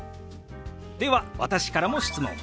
では私からも質問。